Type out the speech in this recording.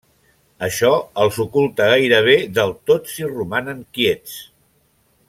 Això els oculta gairebé del tot si romanen quiets.